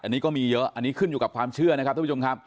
อันนี้ก็มีเยอะอันนี้ขึ้นอยู่กับความเชื่อนะครับ